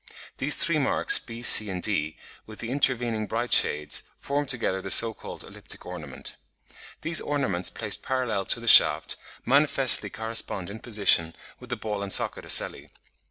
These three marks, b, c, and d, with the intervening bright shades, form together the so called elliptic ornament. These ornaments placed parallel to the shaft, manifestly correspond in position with the ball and socket ocelli.